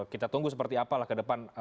kita tunggu seperti apa lah ke depan